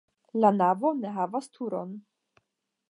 La navo ne havas turon.